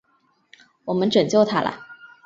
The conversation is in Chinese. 我们拯救他了！